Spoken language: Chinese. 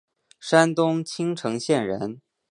山东青城县人。